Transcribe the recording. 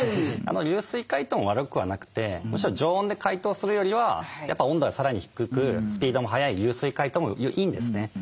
流水解凍も悪くはなくてむしろ常温で解凍するよりはやっぱ温度がさらに低くスピードも速い流水解凍もいいんですね。